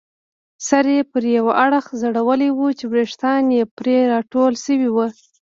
سر یې پر یوه اړخ ځړولی وو چې ویښتان یې پرې راټول شوي وو.